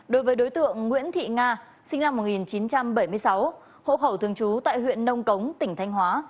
đối với đối tượng nguyễn thị nga sinh năm một nghìn chín trăm bảy mươi sáu hộ khẩu thường trú tại huyện nông cống tỉnh thanh hóa